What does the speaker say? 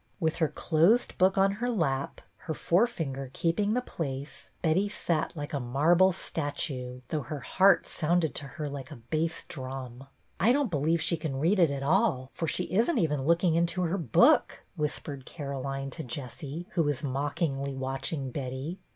With her closed book on her lap, her forefinger keeping the place, Betty sat like a marble statue, though her heart sounded to her like a bass drum. " I don't believe she can read it at all, for she is n't even looking into her book," whis THE DUEL — AFTER ALL 93 jjered Caroline to Jessie, who was mockingly watching Betty.